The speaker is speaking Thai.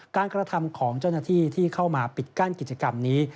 กระทำของเจ้าหน้าที่ที่เข้ามาปิดกั้นกิจกรรมนี้